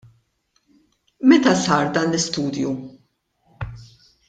Meta sar dan l-istudju?